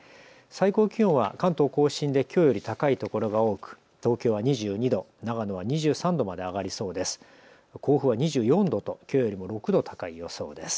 最高気温は関東甲信できょうより高いところが多く東京は２２度、長野は２３度まで上がりそうです。